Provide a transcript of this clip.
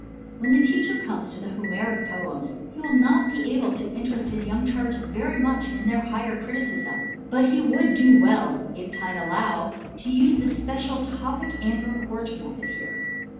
When the teacher comes to the Homeric poems he will not be able to interest his young charges very much in their higher criticism; but he would do well, if time allow, to use the special topic and report method here.